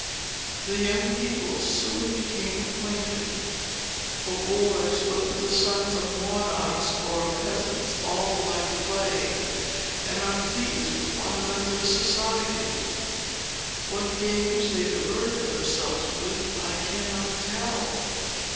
The young people soon became acquainted; for boys, whether the sons of monarchs or of peasants, all like play, and are pleased with one another's society. What games they diverted themselves with, I cannot tell.